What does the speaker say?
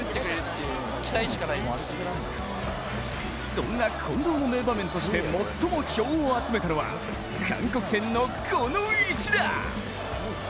そんな近藤の名場面として最も票を集めたのは、韓国戦のこの一打。